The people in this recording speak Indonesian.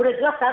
udah jelas kan